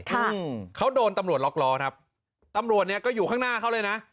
ค่ะเขาโดนตำรวจล็อกล้อครับตำรวจเนี้ยก็อยู่ข้างหน้าเขาเลยนะ